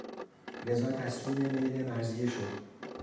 رضا تسلیم میل مرضیه شد.